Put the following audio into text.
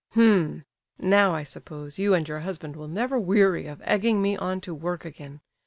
"H'm! now, I suppose, you and your husband will never weary of egging me on to work again.